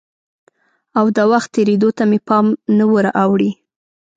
او د وخت تېرېدو ته مې پام نه وراوړي؟